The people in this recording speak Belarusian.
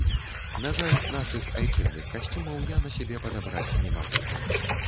На жаль, нашых айчынных касцюмаў я на сябе падабраць не магу.